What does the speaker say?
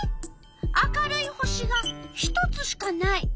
明るい星が１つしかない。